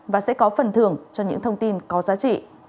và sẽ có phần thưởng cho những thông tin có giá trị